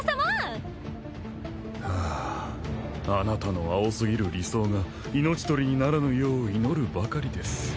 はぁあなたの青すぎる理想が命取りにならぬよう祈るばかりです。